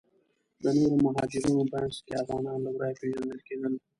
د نورو مهاجرینو په منځ کې افغانان له ورایه پیژندل کیدل.